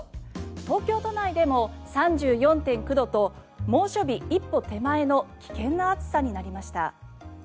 東京都内でも３４．９度と猛暑日一歩手前の危険な暑さになりました。